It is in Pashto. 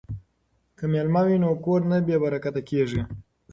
که میلمه وي نو کور نه بې برکته کیږي.